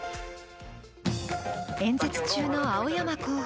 演説中の青山候補。